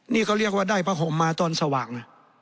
นี่เขาเรียกว่าได้ผ้าห่มมาตอนสว่างนะ